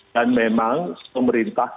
dan memang pemerintah